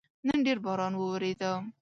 نن ډېر باران وورېده